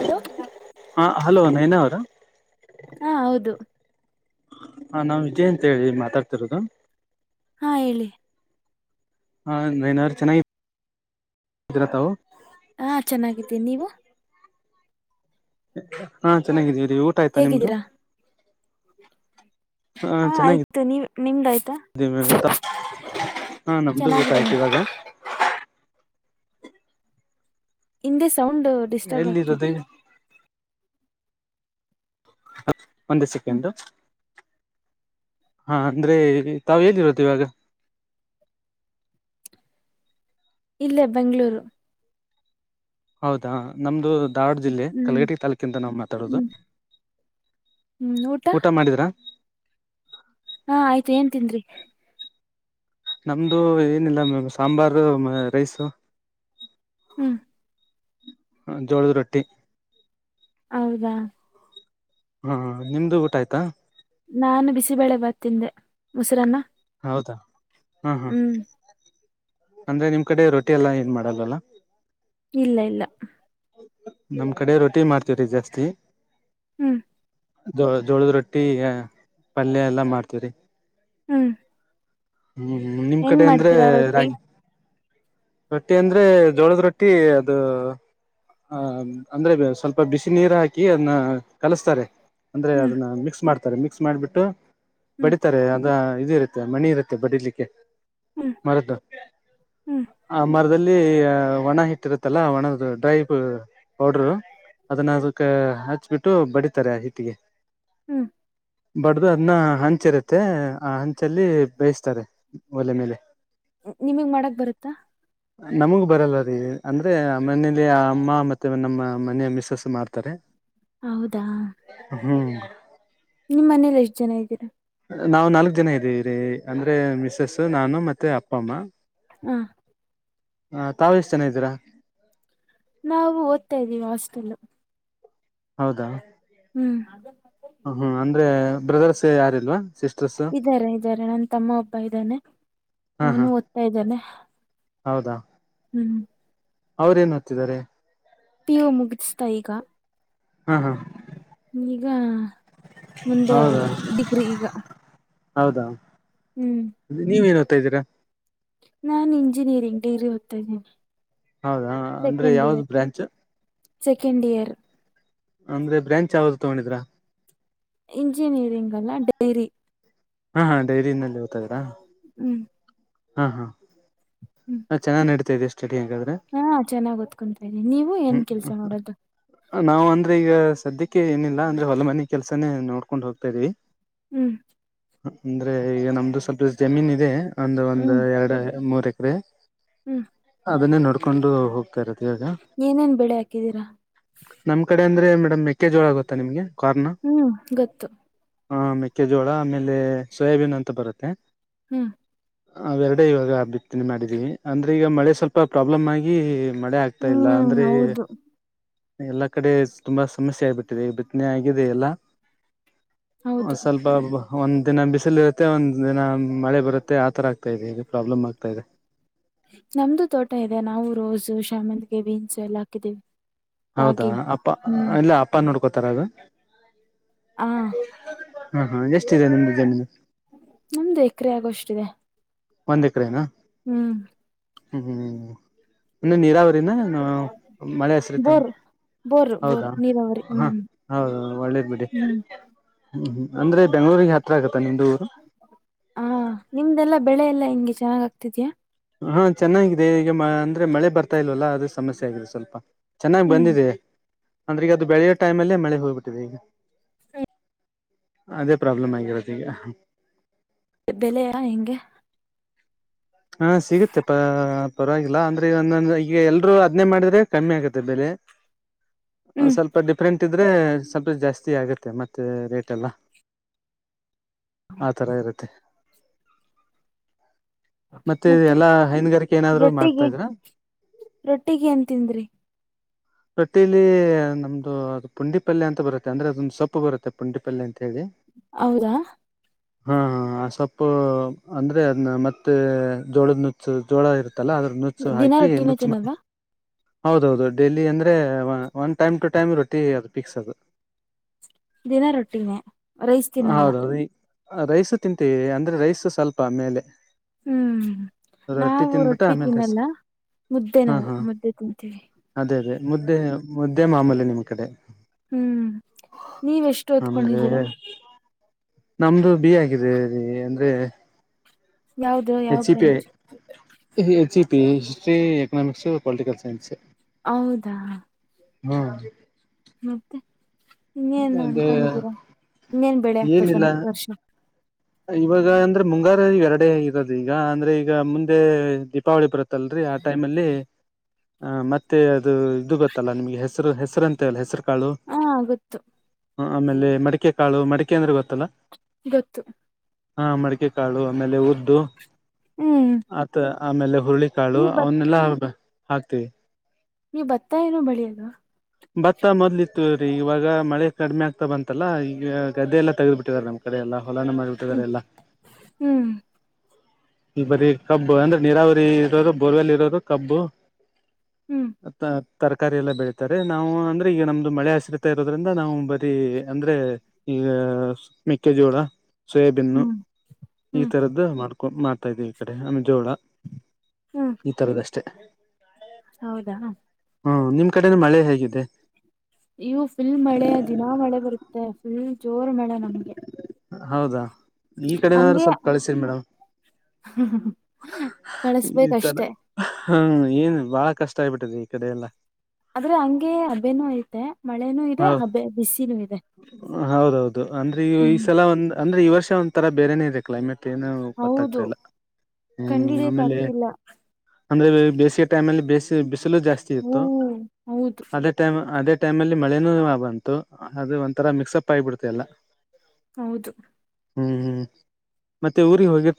Hello ಹ hello Nayana ಅವರ ಹಾ ಹೌದು ಹಾ ನಾ ವಿಜಯ್ ಅಂತ ಹೇಳಿ ಮಾತಾಡ್ತಿರೋದು ಹಾ ಹೇಳಿ ಹಾ ನಯನ ಚೆನ್ನಾಗಿ ಇದಿರ ತಾವು ಹಾ ಚೆನ್ನಾಗಿದ್ದೀನಿ ನೀವು ಹಾ ಚೆನ್ನಾಗಿದ್ದೀರಿ ಊಟ ಆಯ್ತಾ ನಿಮ್ದು ಹೇಗಿದ್ದೀರಾ ಹಾ ಚೆನ್ನಾಗಿದೆ ಆಯ್ತು ನೀವ್ ನಿಮ್ದಾಯ್ತಾ ಹಾ ನಮ್ದು ಗೊತ್ತ ಆಯ್ತು ಚೆನ್ನಾಗಿದ್ದೀನಿ ಇವಾಗ ಹಿಂದೆ ಸೌಂಡ್ ಡಿಸ್ಟರ್ಬ್ ಆಗ್ತಿದೆ ಎಲ್ಲಿರೋದು ಒಂದು ಸೆಕೆಂಡ ಹಾ ಅಂದ್ರೆ ತಾವ ಎಲ್ಲಿರುವುದು ಇವಾಗ [inaudible] ಇಲ್ಲೇ ಬೆಂಗಳೂರು ಹೌದಾ ನಮ್ದು ಧಾರವಡ್ ಜಿಲ್ಲೆ ಹ್ಮ್ ಕಲಗೇಟಿ ತಾಲೂಕಿಂದ ನಾವು ಮಾತಾಡೋದು ಹ್ಮ್ ಊಟ ಮಾಡಿದ್ರಾ ಹಾ ಆಯ್ತು ಏನ್ ತಿಂದ್ರಿ ನಮ್ದು ಏನಿಲ್ಲ ಮಾಮ್ ಸಾಂಬಾರು ಮ ರೈಸು ಹ್ಮ್ ಹ ಜೋಳದ ರೊಟ್ಟಿ ಹೌದಾ ಹಾ ನಿಮ್ದು ಊಟ ಆಯ್ತಾ ನಾನು ಬಿಸಿಬಳೆ ಬಾತ್ ತಿಂದೆ ಮೊಸರನ್ನ ಹೌದಾ ಹಾ ಹಾ ಹ್ಮ್ ಅಂದ್ರೆ ನಿಮ್ ಕಡೆ ರೊಟಿ ಎಲ್ಲಾ ಏನ್ ಮಾಡಲ್ಲ ಅಲ್ಲ ಇಲ್ಲ ಇಲ್ಲ ನಮ್ ಕಡೆ ರೋಟಿ ಮಾಡ್ತೀವ್ರೀ ಜಾಸ್ತಿ ಹ್ಮ್ ಜೋ ಜೋಳದ್ ರೊಟ್ಟಿ ಪಲ್ಯ ಎಲ್ಲಾ ಮಾಡ್ತಿವಿ ರೀ ಹ್ಮ್ ಹ್ಮ ಹ್ಮ ನಿಮ್ ಹೆಂಗ್ ಕಡೆ ಅಂದ್ರೆ ಮಾಡ್ತೀರಾ ರೊಟ್ಟಿ ರಾಗಿ ರೊಟ್ಟಿ ಅಂದ್ರೆ ಜೋಳದ ರೊಟ್ಟಿ ಅದು ಹ ಅಂದ್ರೆ ಸ್ವಲ್ಪ ಬಿಸಿ ನೀರು ಹಾಕಿ ಅದ್ನ ಕಲಸ್ತಾರೆ ಅಂದ್ರೆ ಹ್ಮ್ ಅದನ್ನ ಮಿಕ್ಸ್ ಮಾಡ್ತಾರೆ ಮಿಕ್ಸ್ ಮಾಡ್ಬಿಟ್ಟು ಹ್ಮ್ ಬಡಿತಾರೆ ಅದ ಇ ಇರುತ್ತೆ ಮಣಿ ಇರುತ್ತೆ ಬಡಿಲಿಕ್ಕೆ ಹ್ಮ್ ಮರ್ದು ಹ್ಮ್ ಮರದಲ್ಲಿ ಒಣ ಹಿಟ್ಟಿರತ್ತಲ್ಲಾ ಒಣದ ಡ್ರೈ ಪೌಡರು ಅದನ್ನ ಅದಕ್ಕು ಹಚ್ಬಿಟ್ಟು ಬಡಿತಾರೆ ಆ ಹಿಟ್ಟಿಗೆ ಹ್ಮ್ ಬಡ್ದು ಅದ್ನ್ನ ಹಂಚಿರುತ್ತೆ ಆ ಹಂಚಲ್ಲಿ ಬೇಯಿಸತ್ತಾರೆ ಒಲೆ ಮೇಲೆ ನಿಮಗ್ ಮಾಡಕ್ ಬರುತ್ತಾ ನಮಗು ಬರಲ್ಲ ರೀ ಅಂದ್ರೆ ಮನೇಲಿ ಆ ಅಮ್ಮ ಮತ್ತ ಮ ನಮ್ಮ ಮನೆಯ ಮಿಸಸ್ಸು ಮಾಡ್ತಾರೆ ಹೌದಾ ಹ್ಮು ನಿಮ್ ಮನೇಲಿ ಎಷ್ಟ್ ಜನ ಇದ್ದೀರಾ ನಾವು ನಾಲ್ಕ ಜನ ಇದ್ದೀರಿ ರೀ ಅಂದ್ರೆ ಮಿಸಸ್ ನಾನು ಮತ್ತೆ ಅಪ್ಪಮ್ಮ ಹಾ ಹ ತಾವು ಎಷ್ಟು ಜನ ಇದ್ದಿರಿ ನಾವು ಓದ್ತಾ ಇದ್ದೀವಿ ಹಾಸ್ಟೆಲ್ಲ್ ಹೌದಾ ಹ್ಮ್ ಹ್ಮ ಅಂದ್ರೆ ಬ್ರದರ್ಸ್ ಯಾರ್ ಇಲ್ವಾ ಇದ್ದಾರೆ ಇದ್ದಾರೆ ನನ್ ತಮ್ಮ ಒಬ್ಬ ಇದ್ದಾನೆ ಹಾ ಹಾ ಅವನು ಓದ್ತಾ ಇದ್ದಾನೆ ಹೌದಾ ಹ್ಮ್ ಅವ್ರ ಏನ್ ಓತ್ತಿದ್ದಾರೆ ಪಿಯು ಮುಗುಸ್ತಾ ಈಗ ಹ್ಮ ಹ್ಮ ಈಗ ಮುಂದೆ ಹೌದಾ ಡಿಗ್ರಿ ಈಗ ಹೌದಾ ನೀವೇನ್ ಓತ್ತಾ ಇದ್ದೀರಾ ನಾನ್ ಇಂಜಿನಿಯರಿಂಗ್ ಡಿಗ್ರಿ ಓತ್ತ ಇದೀನಿ ಹೌದಾ ಅಂದ್ರೆ ಯಾವ್ದ ಬ್ರಾಂಚ್ ಸೆಕೆಂಡ್ ಇಯರ್ ಅಂದ್ರೆ ಬ್ರಾಂಚ್ ಯಾವ್ದ ತಗೊಂಡಿದಿರ ಇಂಜಿನಿಯರಿಂಗ್ ಅಲ್ಲ ಡೈರಿ ಹಾ ಹಾ ಡೈರಿನಲ್ಲಿ ಓದ್ತಾ ಇದ್ರ ಹ್ಮ್ ಹಾ ಹಾ ಹ್ಮ್ ಹಾ ಚೆನ್ನಾಗಿ ನಡೀತಾಯಿದೆ ಅಂಗಾದ್ರೆ ಹಾ ಚೆನ್ನಾಗ್ ಓದ್ಕೊಂತಾ ಇದೀನಿ ನೀವು ಏನ್ ಕೆಲ್ಸ ಮಾಡೋದು ನಾವು ಅಂದ್ರೆ ಈಗ ಸದ್ಯಕ್ಕೆ ಏನಿಲ್ಲ ಅಂದ್ರೆ ಹೊಲ ಮನೆ ಕೆಲ್ಸನೇ ನೋಡ್ಕೊಂಡ್ ಹೋಗ್ತಾಇದೀವಿ ಹ್ಮ್ ಅಂದ್ರೆ ಈಗ ನಮ್ದು ಸ್ವಲ್ಪ ಜಮೀನ್ ಇದೆ ಒಂದು ಒಂದು ಹ್ಮ್ ಎರಡು ಮೂರ್ ಎಕರೆ ಹ್ಮ್ ಅದನ್ನೇ ನೋಡ್ಕೊಂಡು ಹೋಗ ಇರೋದು ಈವಾಗ ಏನೇನ್ ಬೆಳೆ ಹಾಕಿದೀರಾ ನಮ್ ಕಡೆ ಅಂದ್ರೆ ಮೇಡಮ್ ಮೆಕ್ಕೆಜೋಳ ಗೊತ್ತಾ ನಿಮ್ಗೆ ಹ್ಮ್ ಗೊತ್ತು ಹ ಮೆಕ್ಕೆಜೋಳ ಆಮೇಲೆ ಸೋಯಾಬೀನ್ ಅಂತ ಬರುತ್ತೆ ಹ್ಮ್ ಅವು ಎರಡೇ ಇವಾಗ ಬಿತ್ತನೆ ಮಾಡಿದೀವಿ ಅಂದ್ರೆ ಈಗ ಮಳೆ ಸ್ವಲ್ಪ ಪ್ರಾಬ್ಲಮ್ ಆಗಿ ಮಳೆ ಆಗ್ತಾ ಇಲ್ಲ ಹ್ಮ್ ಅಂದ್ರೆ ಹೌದು ಎಲ್ಲಾ ಕಡೆ ತುಂಬಾ ಸಮಸ್ಯೆ ಆಗ್ಬಿಟ್ಟಿದೆ ಬಿತ್ತನೆ ಆಗಿದೆ ಎಲ್ಲಾ ಹೌದು ಸ್ವಲ್ಪ ಒಂದ್ ದಿನ ಬಿಸಿಲು ಇರುತ್ತೆ ಒಂದ್ ದಿನ ಮಳೆ ಬರುತ್ತೆ ಆತರ ಆಗ್ತಾ ಇದೆ ಇದು ಪ್ರಾಬ್ಲಮ್ ಆಗ್ತಾ ಇದೆ ನಮ್ದು ತೋಟ ಇದೆ ನಾವು ರೋಸು ಶಾಮಂತಿಗೆ ಬೀನ್ಸ್ ಎಲ್ಲ ಹಾಕಿದ್ದೀವಿ ಹೌದಾ ಅಪ್ಪ ಇಲ್ಲ ಅಪ್ಪ ನೋಡ್ಕೋತಾರ ಅದು ಹ ಹಾ ಹಾ ಎಷ್ಟಿದೆ ನಿಮ್ದು ಜಮೀನು ನಮ್ದು ಎಕರೆ ಆಗೋಷ್ಟಿದೆ ಒಂದ್ ಎಕರೆನ ಹ್ಮ್ ಹ್ಮ್ಮ್ ನಿಮ್ದು ನೀರಾವರಿನ ಮಳೆ ಹೆಸರಿತ ಬೋರ್ ಬೋರ್ ಬೋರ್ ಹೌದಾ ನೀರಾವರಿ ಹ ಹ್ಮ್ ಹೌದು ಒಳ್ಳೇದ್ ಬಿಡಿ ಹ್ಮ್ ಅಂದ್ರೆ ಬೆಂಗಳೂರಿಗೆ ಹತ್ರ ಆಗತ್ತೆ. ಹಾ ನಿಮ್ದೆಲ್ಲಾ ಬೆಳೆ ಎಲ್ಲಾ ಹಂಗೆ ಚೆನ್ನಾಗ್ ಆಗ್ತಿದೀಯಾ ಹಾ ಚೆನ್ನಾಗಿದೆ ಈಗ ಅಂದ್ರೆ ಮಳೆ ಬರ್ತಾ ಇಲ್ವಲ್ಲ ಅದೇ ಸಮಸ್ಯೆ ಆಗಿದೆ ಸ್ವಲ್ಪ. ಚೆನ್ನಾಗಿ ಹ್ಮ್ ಬಂದಿದೆ ಅಂದ್ರೆ ಅದು ಬೆಳೆಯ ಟೈಮ್ ಅಲ್ಲೇ ಮಳೆ ಹೋಗಿಬಿಟ್ಟಿದೆ ಈಗ ಅದೇ ಪ್ರಾಬ್ಲಮ್ ಆಗಿರೋದು ಈಗ ಬೆಲೆಯಾ ಹೆಂಗೆ ಹಾ ಸಿಗುತ್ತೆ ಪರವಾಗಿಲ್ಲ ಅಂದ್ರೆ ಒಂದೊಂದ ಈಗ ಎಲ್ರರು ಅದ್ನೇ ಮಾಡಿದ್ರೆ ಕಮ್ಮಿ ಆಗತ್ತೆ ಬೆಲೆ ಹ ಹ್ಮ್ ಸ್ವಲ್ಪ ಡಿಫ್ರೆಂಟ್ ಇಟ್ಟಿದ್ರೆ ಸ್ವಲ್ಪ ಜಾಸ್ತಿ ಆಗುತ್ತೆ ಮತ್ತೆ ರೇಟ್ ಎಲ್ಲ. ಆತರ ಇರುತ್ತೆ ಮತ್ತೆ ಎಲ್ಲಾ ಹೈನುಗಾರಿಕೆ ಏನಾದ್ರು ಮಾಡ್ತಾ ಇದ್ರ. ರೊಟ್ಟಿಗ ಏನ್ ತಿಂದ್ರಿ ರೊಟ್ಟಿಲಿ ನಮ್ದು ಅ ಪುಂಡಿಪಲ್ಯ ಅಂತ ಬರುತ್ತೆ ಅಂದ್ರೆ ಅದೊಂದು ಸೊಪ್ಪು ಬರುತ್ತೆ ಪುಂಡಿಪಲ್ಯ ಅಂತ. ಹೇಳಿ ಹೌದಾ ಹಾ ಹಾ ಆ ಸೊಪ್ಪು ಅಂದ್ರೆ ಅದನ್ನ ಮತ್ತೆ ಜೋಳದ ನುಚ್ಚ ಜೋಳ ಇರ್. ಇರುತ್ತಲ್ಲ ಅದ್ರ ನುಚ್ಚು ದಿನ ಹಾಕಿ ರೊಟ್ಟಿನೇ ನುಚ್ಚು ಮಾಡ ತಿನ್ನದ ಹೌದೌದು ಡೈಲಿ ಅಂದ್ರೆ ಒನ್ ಟೈಮ್ ಟು ಟೈಮ್ ರೊಟಿ ಅದು ಪಿಕ್ಸ್ ಅದು. ದಿನ ರೊಟ್ಟಿನೇ ರೈಸ್ ತಿನ್ನಲ್ಲ. ಹೌದೌದು ಈ ರೈಸ್ ತಿಂತೀವಿ ಅಂದ್ರೆ ರೈಸ್ ಸ್ವಲ್ಪ ಮೇಲೆ. ಹ್ಮ್ ರೊಟ್ಟಿ ನಾವು ತಿಂದ್ಬಿಟ್ಟು ರೊಟ್ಟಿ ಆಮೇಲೆ ರೈಸ್ ತಿನ್ನಲ್ಲ ಮುದ್ದೆ ಹಾ ನಾವು ಹಾ ಮುದ್ದೆ ತಿಂತೀವಿ. ಅದೇ ಅದೇ ಮುದ್ದೆ ಮುದ್ದೆ ಮಾಮೂಲಿ ನಿಮ್ಮ್ ಕಡೆ ಹ್ಮ್ ನೀವೆಷ್ಟು ಅಂದ್ರೆ ಓದಿಕೊಂಡಿದಿರ ನಮ್ದು ಡಿ ಹಾಗಿದೇ ಅಂದ್ರೆ ಯಾವ್ದ ಯಾವ H E P branch. H E P history economics political science ಹೌದ. ಹ್ಮ. ಮತ್ತೆ. ಇನ್ನೇನ್ ಅದೇ ಅನ್ಕೊಂಡಿದ್ದೀರಾ ಇನ್ನೇನ್ ಬೆಳೆ ಹಾಕ್ಬೇಕು ಏನಿಲ್ಲ ನೆಕ್ಸ್ಟ್ ವರ್ಷ. ಇವಾಗ ಅಂದ್ರೆ ಮುಂಗಾರು ಎರಡೆ ಇರದಿಗಾ ಈಗ ಅಂದ್ರೆ ಈಗ ಮುಂದೆ ದೀಪಾವಳಿ ಬರುತ್ತಲ್ರಿ. ಆ ಟೈಮ್ ಅಲ್ಲಿ ಆ ಮತ್ತೆ ಅದು ಇದು ಗೊತ್ತಲ್ಲ ನಿಮಗೆ ಹೆಸ್ರು ಹೆಸ್ರ್ ಅಂತಿವಲ್ ಹೆಸರ್ ಕಾಳು ಹ ಗೊತ್ತು ಆಮೇಲೆ ಮಡಿಕೆ ಕಾಳು ಮಡಿಕೆ ಅಂದ್ರೆ ಗೊತ್ತಲ್ಲ. ಗೊತ್ತು. ಹಾ ಮಡಿಕೆ ಕಾಳು ಆಮೇಲೆ ಉದ್ದು ಹ್ಮ್. ಆತ ಆಮೇಲೆ ಹುರುಳಿಕಾಳು ನೀವ್ ಅವನ್ನೆಲ್ಲಾ ಹಾಕ್ತಿವಿ. ನಿವ್ ಬತ್ತ ಏನು ಬೆಳಿಯಲ್ವ. ಭತ್ತ ಮೊದ್ಲಿ ಇತ್ತು ರೀ ಇವಾಗ ಮಳೆ ಕಡಿಮೆ ಆಗ್ತಾ ಬಂತಲ್ಲ ಈಗ ಗದ್ದೆಲ್ಲ ತೆಗೆದ್ ಬಿಟ್ಟಿದರ್ ನಮ್ ಕಡೆ ಎಲ್ಲಾ. ಹೊಲಾನ ಮಾಡ್ಬಿಟಿದಾರ್ ಹ್ಮ್ ಎಲ್ಲ. ಹ್ಮ್ ಈ ಬರೀ ಕಬ್ಬು ಅಂದ್ರೆ ನೀರಾವರಿ ಇರೋರು ಬೋರ್ವೆಲ್ ಇರೋರು ಕಬ್ಬು ಹ್ಮ್ ಅತ್ತಾ ತರಕಾರಿ ಎಲ್ಲ ಬೆಳತಾರೆ ನಾವು ಅಂದ್ರೆ ಈಗ ನಮ್ದು ಮಳೆ ಸುರಿತ ಇರೋದ್ರಿಂದ ನಾವು ಬರೀ ಅಂದ್ರೆ ಈ ಮೆಕ್ಕೆಜೋಳ. ಸೋಯಾಬಿನ್ನು ಹ್ಮ್ ಹ್ಮ್ ಇತರದ್ದು ಮಾಡ್ಕೊ ಮಾಡ್ತಾ ಇದೀವಿ ಈ ಕಡೆ ಆಮೇಲ್ ಜೋಳ. ಹ್ಮ್ ಇತರುಧ್ ಅಷ್ಟೆ. ಹೌದಾ. ಹ್ಮ ನಿಮ್ ಕಡೆನು ಮಳೆ ಹೇಗಿದೆ. ಇಲ್ಲು ಫುಲ್ ಮಳೆ ದಿನಾ ಮಳೆ ಬರುತ್ತೆ ಫುಲ್ ಜೋರ್ ಮಳೆ ನಮ್ಗೆ. ಹೌದಾ ಈಕಡೆನಾರು ಹಂಗೆ ಸ್ವಲ್ಪ ಕಳಸ್ರಿ ಮೇಡಂ. ಹಾ ಕಳುಸ್ಬೇಕಷ್ಟೆ. ಹ್ಮ [unintelligible] ಬಾಳ ಕಷ್ಟ ಆಗ್ಬಿಟ್ಟದೆ ಈಕಡೆ ಎಲ್ಲಾ. ಆದ್ರೆ ಹಂಗೆ ಹಬೇನೂ ಐತೆ ಮಳೆನೂ ಇದೆ ಹೌ ಹಬೆ ಬಿಸಿನೂ ಇದೆ. ಹೌದೌದು ಅಂದ್ರೆ ಈ ಹ್ಮ್ ಸಲ ಒಂದ್ ಅಂದ್ರೆ ಈ ವರ್ಷ ಒಂತರ ಬೇರೆನೆೇ ಇದೆ ಕ್ಲೈಮೇಟ್ ಏನು ಆಗ್ತಾ ಇಲ್ಲ. ಹ್ಮ್ ಆಮೇಲೆ ಕಂಡಿಡಿಯಕಾಗ್ತಿಲ್ಲ. ಅಂದ್ರೆ ಬೇಸಿಗೆ ಟೈಮಲ್ಲಿ ಬಿಸಿಲ್ ಬಿಸಿಲು ಜಾಸ್ತಿ ಹೂ ಇತ್ತು ಹೌದು ಅದೇ ಟೈಮ್ ಅದೇ ಟೈಮಲ್ಲಿ ಮಳೆನು ಬಂತು ಅದು ಒಂತರ ಮಿಕ್ಸಪ್ ಆಗ್ಬಿಡ್ತು ಎಲ್ಲ. ಹೌದು. ಹ್ಮ್ ಹ್ಮ್ ಮತ್ತೆ ಊರಿಗ್ ಹೋಗಿ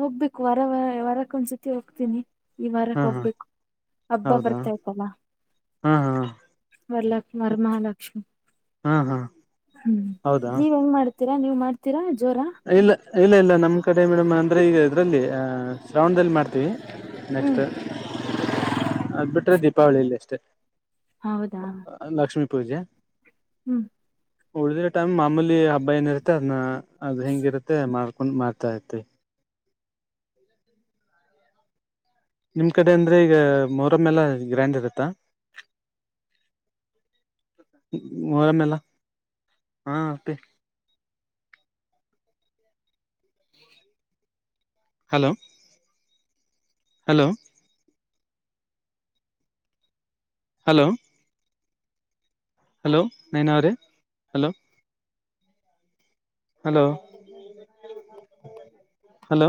ಹೋಗ್ಬೇಕು ವರ ವ ವರಕ್ಕ ಒಂದ್ಸತಿ ಹೋಗ್ತೀನಿ. ಈ ಹಾ ವಾರಕ್ ಹಾ ಹೋಗ್ಬೇಕು ಹಬ್ಬ ಹೌದಾ ಬರ್ತಾಯಿತಲ್ಲ. ಹಾ ಹಾ. [unintelligible] ವರ್ಮಹಾಲಕ್ಷ್ಮಿ. ಹಾ ಹಾ. ಹ್ಮ್ ಹೌದಾ ನೀವ್ ಹೆಂಗ್ ಮಾಡ್ತೀರಾ ನೀವ್ ಮಾಡ್ತೀರಾ ಜೋರ. ಇಲ್ಲ ಇಲ್ಲ ನಮ್ ಕಡೆ ಮೇಡಮ್ ಅಂದ್ರೆ ಈಗ ಇದ್ರಲ್ಲಿ ಶ್ರಾವಣದಲ್ಲಿ ಮಾಡ್ತೀವಿ ನೆಕ್ಸ್ಟ್ ಅದ ಬಿಟ್ರೆ ದೀಪಾವಳಿಲ್ಲಿ ಅಷ್ಟೇ ಹೌದಾ. ಪೂಜಾ. ಹ್ಮ್. ಉಳ್ದಿರ ಟೈಮ್ ಮಾಮೂಲಿ ಹಬ್ಬ ಏನಿರುತ್ತೆ ಅದ್ನ ಅದ್ ಹೆಂಗಿರತ್ತೆ ಮಾಡ್ [unintelligible] ಮಾರ್ತಾ ಹೇತಿ. ನಿಮ್ ಕಡೆ ಅಂದ್ರೆ ಈಗ ಮೊಹರಂ ಎಲ್ಲ ಗ್ರ್ಯಾಂಡ್ ಇರತ್ತ. ಮೊಹರಂ ಎಲ್ಲ ಹಾ ಮತ್. [unintelligible] Hello hello hello hello Naina ಅವ ರೇ ಹಲೋ ಹಲೋ ಹಲೋ